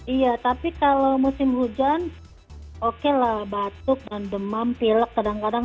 iya tapi kalau musim hujan okelah batuk demam pilek kadang kadang